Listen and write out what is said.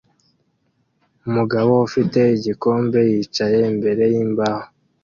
Umugabo ufite igikombe yicaye imbere yimbaho